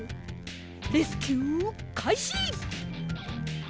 レスキューかいし！